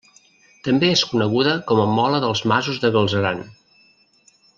També és coneguda com a Mola dels masos de Galzeran.